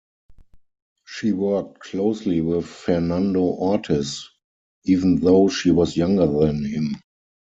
She worked closely with Fernando Ortiz even though she was younger than him.